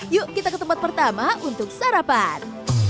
yuk kita ke tempat pertama untuk sarapan